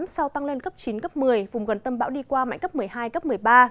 sau tăng lên cấp chín cấp một mươi vùng gần tâm bão đi qua mạnh cấp một mươi hai cấp một mươi ba